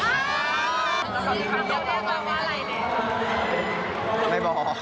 ส่วนใหญ่ชายเหล่ากี๊